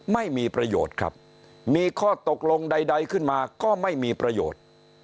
ไม่มีประโยชน์ครับมีข้อตกลงใดขึ้นมาก็ไม่มีประโยชน์